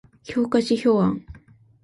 評価指標案